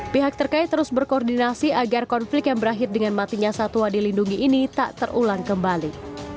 pihak terkait terus berkoordinasi agar konflik yang berakhir dengan matinya satwa dilindungi ini tak terulang kembali